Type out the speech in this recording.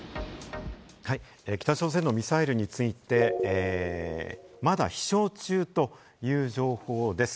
北朝鮮のミサイルについてまだ飛しょう中という情報です。